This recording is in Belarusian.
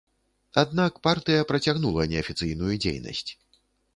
Аднак партыя працягнула неафіцыйную дзейнасць.